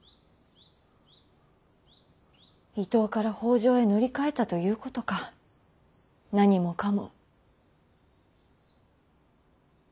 伊東から北条へ乗り換えたということか何もかも。